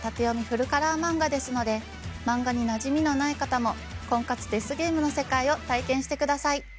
フルカラーマンガですのでマンガになじみのない方も婚活デスゲームの世界を体験してください。